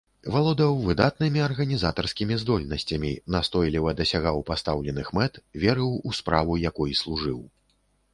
Валодаў выдатнымі арганізатарскімі здольнасцямі, настойліва дасягаў пастаўленых мэт, верыў у справу, якой служыў.